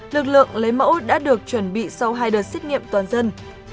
lực lượng lấy mẫu đã được chuẩn bị sau hai đợt xét nghiệm toàn dân